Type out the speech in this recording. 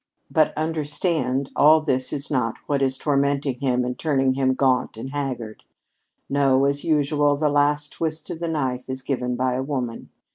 "But understand, all this is not what is tormenting him and turning him gaunt and haggard. No, as usual, the last twist of the knife is given by a woman.